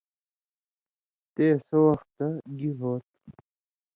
تے (سو وختہ گی ہو تُھو؟)